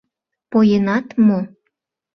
— Поенат мо?